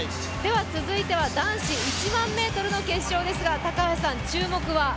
続いては男子１００００ｍの決勝ですが、注目は？